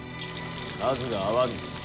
数が合わぬ。